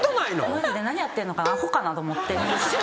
マジで何やってんのかな。と思って。